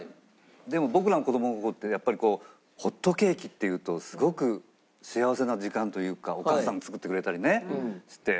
でも僕らの子供の頃ってやっぱりこうホットケーキっていうとすごく幸せな時間というかお母さんが作ってくれたりねして。